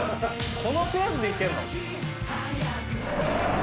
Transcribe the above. このペースでいってんの？